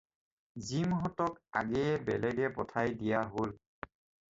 জিমহঁতক আগেয়ে বেলেগে পঠিয়াই দিয়া হ'ল।